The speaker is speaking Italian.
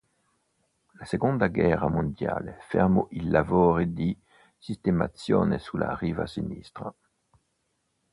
La seconda guerra mondiale fermò i lavori di sistemazione sulla riva sinistra.